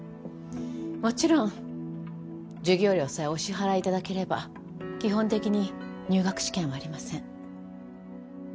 もちろん授業料さえお支払いいただければ基本的に入学試験はありません。